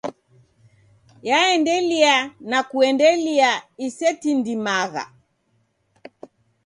Yeendelia, na kuendelia isetindimagha.